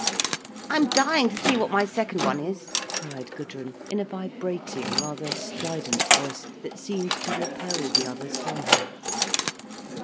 "I'm dying to see what my second one is," cried Gudrun, in a vibrating rather strident voice, that seemed to repel the others from her.